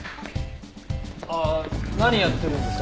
ああ何やってるんですか？